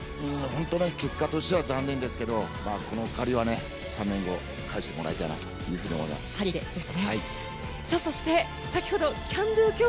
結果としては残念ですがこの借りは３年後、返してもらいたいなと思います。